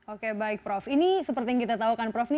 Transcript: oke baik prof ini seperti yang kita tahu kan prof